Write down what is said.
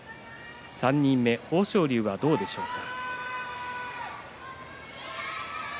３人目、豊昇龍はどうでしょうか。